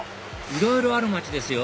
いろいろある街ですよ